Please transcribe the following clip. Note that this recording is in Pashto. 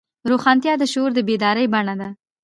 روښانتیا د شعور د بیدارۍ بڼه ده.